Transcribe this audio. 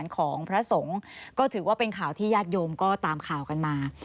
ก็ถือว่าเป็นข่าวที่ย่าทยมก็ตามข่ากันมา